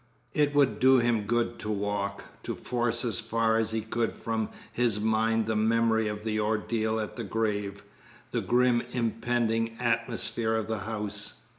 It would do him good to walk, to force as far as he could from his mind the memory of the ordeal at the grave, the grim, impending atmosphere of the house.